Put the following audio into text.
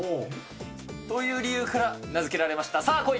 という理由から名付けられました、さあ、来い。